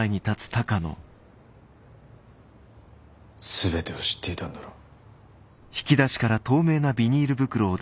全てを知っていたんだろう？